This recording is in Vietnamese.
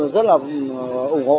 rất là ủng hộ